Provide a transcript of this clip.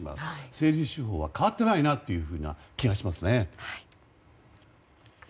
政治手法は変わってないなという気がしますね。